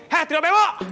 he tidak bebo